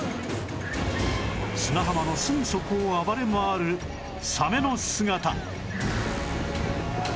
砂浜のすぐそこを暴れ回るサメの姿